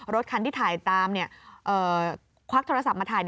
รถคันที่ถ่ายตามควักโทรศัพท์มาถ่าย